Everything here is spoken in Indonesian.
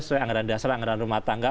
sesuai anggaran dasar anggaran rumah tangga